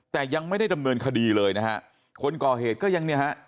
แต่ยังไม่ได้ดำเนินคดีเลยนะฮะคนก่อเหตุก็ยังเนี่ยฮะ